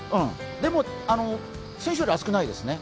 でも、先週より暑くないですね。